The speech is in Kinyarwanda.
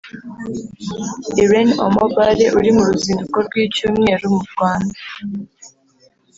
Iren Omo-Bare uri mu ruzinduko rw’icyumweru mu Rwanda